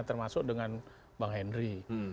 termasuk dengan bang henry